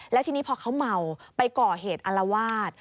แล้วทีนี้พอเขาเมาไปก่อเหตุอารวาส